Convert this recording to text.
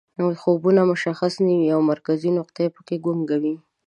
خوبونه مشخص نه وي او مرکزي نقطه پکې ګونګه وي